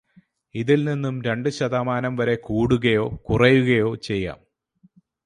ഇതിൽ നിന്നും രണ്ടു ശതമാനം വരെ കൂടുകയോ കുറയുകയോ ചെയ്യാം.